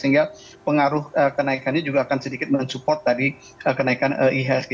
sehingga pengaruh kenaikannya juga akan sedikit mensupport dari kenaikan ihsg